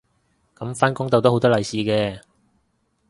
噉返工逗到好多利是嘅